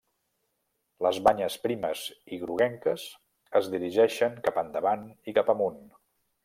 Les banyes primes i groguenques, es dirigeixen cap endavant i cap amunt.